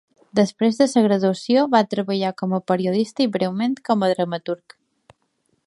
Després de la graduació, va treballar com a periodista i breument com a dramaturg.